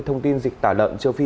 thông tin dịch tả lợn châu phi